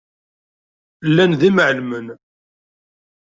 Llan d imεellmen.